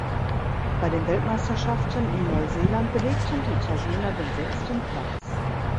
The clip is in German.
Bei den Weltmeisterschaften in Neuseeland belegten die Italiener den sechsten Platz.